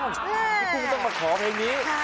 พี่กุ้งต้องมาขอเพลงนี้